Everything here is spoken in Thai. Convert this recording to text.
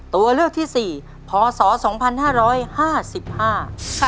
ตัวเลือดที่๓พศ๒๕๕๔